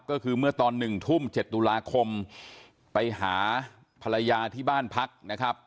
ก็คือเมื่อตอน๑ทุ่ม๗ตุลาคมไปหาภรรยาที่บ้านพักนะครับ